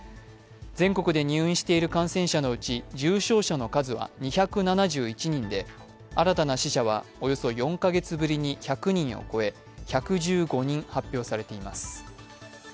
全国で入院している感染者のうち、重症者の数は２７１人で新たな死者はおよそ４カ月ぶりに１００人を超え、１１５人発表されています。